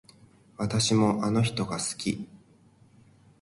私もあの人が好き